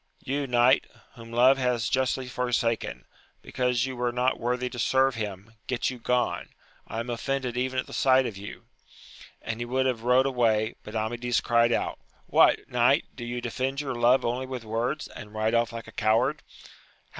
You knight, whom love has justly forsaken, because you were not worthy to serve him, get you gone ! I am offended even at the sight of you. And he would have rode away, but Amadis cried out. What, knight ! do you defend your love only with words, and ride off like a coward 1 How